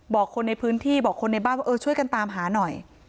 คนในพื้นที่บอกคนในบ้านว่าเออช่วยกันตามหาหน่อย